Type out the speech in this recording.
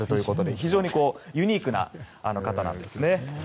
非常にユニークな方なんですね。